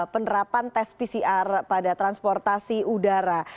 penerapan tes pcr pada transportasi udara